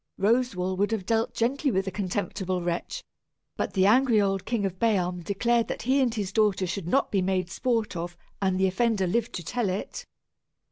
Roswal would have dealt gently with the contemptible wretch, but the angry old King of Bealm declared that he and his daughter should not be made sport of, and the offender live to tell it.